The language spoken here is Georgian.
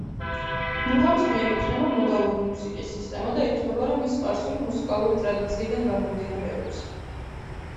მუღამს მიეკუთვნება მოდალური მუსიკის სისტემა და ითვლება, რომ ის სპარსული მუსიკალური ტრადიციიდან გამომდინარეობს.